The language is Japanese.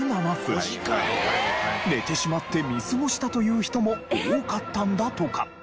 寝てしまって見過ごしたという人も多かったんだとか。